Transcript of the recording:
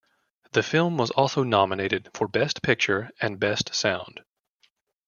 The film was also nominated for Best Picture and Best Sound.